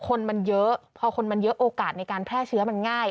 คนมันเยอะพอคนมันเยอะโอกาสในการแพร่เชื้อมันง่าย